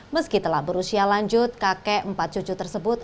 meski telah berusia lanjut kakek empat cucu tersebut